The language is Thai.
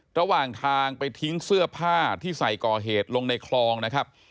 ระหว่างทางไปทิ้งเสื้อผ้าที่ใส่ก่อเหตุลงในคลองนะครับ